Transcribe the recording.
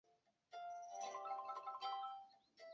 为商务人员往来提供便利